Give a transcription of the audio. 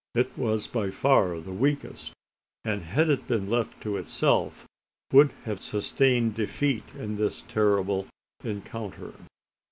It was by far the weakest; and had it been left to itself, would have sustained defeat in this terrible encounter.